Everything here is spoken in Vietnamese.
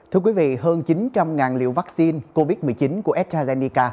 hơn chín trăm linh liệu vaccine covid một mươi chín của astrazeneca